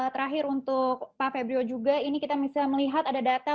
terakhir untuk pak febrio juga ini kita bisa melihat ada data